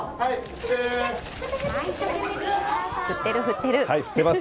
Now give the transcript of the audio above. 振ってる、振ってます。